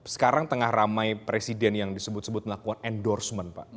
sekarang tengah ramai presiden yang disebut sebut melakukan endorsement pak